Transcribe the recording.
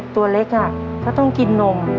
ตัวเล็กก็ต้องกินนม